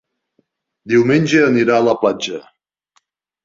Diumenge anirà a la platja.